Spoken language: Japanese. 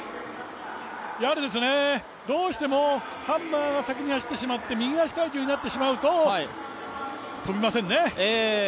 どうしてもハンマーが先に走ってしまって、右足体重なってしまうと飛びませんね。